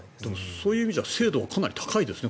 そう意味じゃ精度はかなり高いですね。